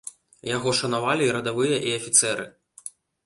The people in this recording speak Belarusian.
Яго шанавалі і радавыя і афіцэры.